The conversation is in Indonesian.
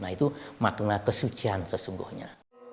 itu makna kesucian sesungguhnya